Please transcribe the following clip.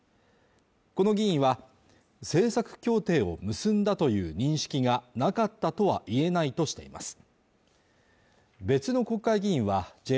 この議員は政策協定を結んだという認識がなかったとはいえないとしています